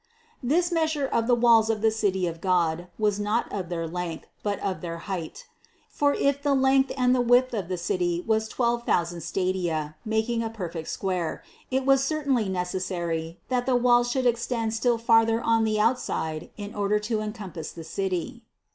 This measure of the walls of the City of God, was not of their length, but of their height. For if the length and the width of the city were twelve thou sand stadia, making a perfect square, it was certainly necessary that the walls should extend still farther on the outside in order to encompass the city.